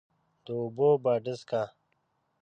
د اوبو باډسکه،